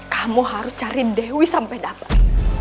kamu harus cari dewi sampai dapat